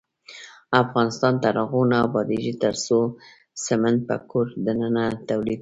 افغانستان تر هغو نه ابادیږي، ترڅو سمنټ په کور دننه تولید نشي.